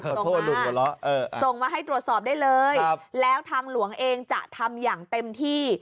หัวเราะส่งมาให้ตรวจสอบได้เลยแล้วทางหลวงเองจะทำอย่างเต็มที่